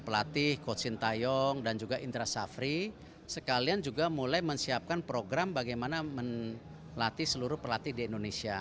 pelatih coach sintayong dan juga indra safri sekalian juga mulai menyiapkan program bagaimana melatih seluruh pelatih di indonesia